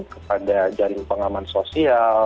kepada jaring pengaman sosial